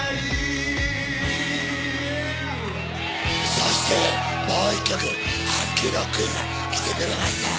そしてもう１曲、ハスキーロッククイーンが来てくれました。